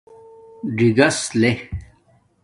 ژی گس لے